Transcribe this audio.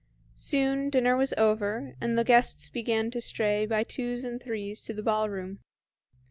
Soon dinner was over, and the guests began to stray by twos and threes to the ballroom.